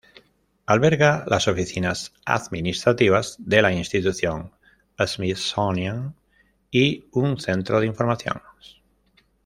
Alberga las oficinas administrativas de la Institución Smithsonian y un centro de información.